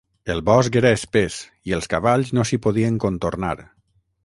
El bosc era espès, i els cavalls no s'hi podien contornar.